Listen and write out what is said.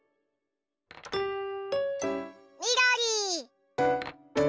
みどり！